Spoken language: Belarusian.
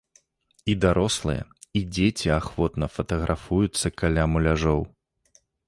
І дарослыя і дзеці ахвотна фатаграфуюцца каля муляжоў.